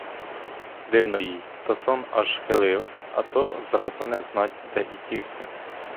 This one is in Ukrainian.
Дивно їй: то сон аж хилив, а то зразу не знать де і дівся.